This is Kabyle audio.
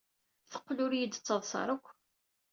Teqqel ur yi-d-ttaḍṣa ara akk.